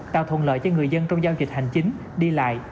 tạo thuận lợi cho người dân trong giao dịch hành chính đi lại